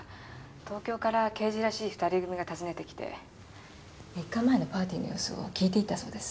東京から刑事らしい２人組が訪ねて来て３日前のパーティーの様子を訊いていったそうです。